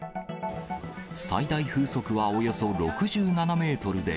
最大風速はおよそ６７メートルで。